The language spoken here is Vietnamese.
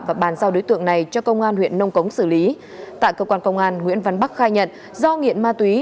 và bàn giao đối tượng này cho công an huyện nông cống xử lý tại cơ quan công an nguyễn văn bắc khai nhận do nghiện ma túy